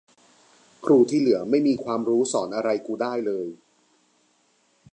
ครูที่เหลือไม่มีความรู้สอนอะไรกูได้เลย